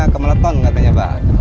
kemeleton katanya pak